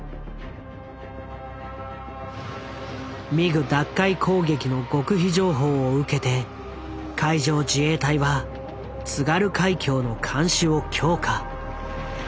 ミグ奪回攻撃の極秘情報を受けて海上自衛隊は津軽海峡の監視を強化。